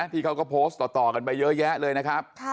ที่เขาก็โพสต์ต่อกันไปเยอะแยะเลยนะครับ